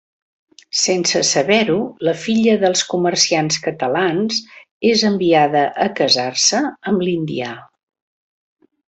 Sense saber-ho, la filla dels comerciants catalans és enviada a casar-se amb l'indià.